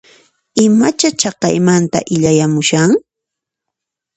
Imacha chaqaymanta illayamushan?